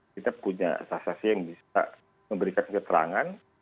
kita punya saksi saksi yang bisa memberikan keterangan